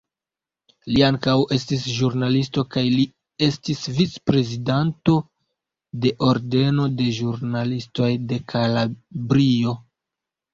Li ankaŭ estis ĵurnalisto kaj li estis vic-prezidanto de Ordeno de ĵurnalistoj de Kalabrio.